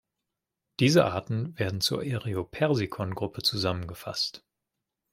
Diese Arten werden zur "Eriopersicon"-Gruppe zusammengefasst.